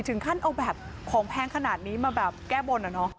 ถึงขั้นเอาแบบของแพงขนาดนี้มาแบบแก้บนอ่ะเนอะ